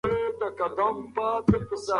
آیا ټولنپوهنه یوازې تیوري ده که عملي ګټه هم لري.